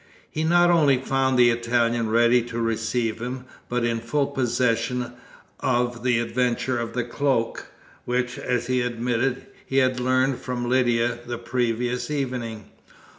He not only found the Italian ready to receive him, but in full possession of the adventure of the cloak, which, as he admitted, he had learned from Lydia the previous evening.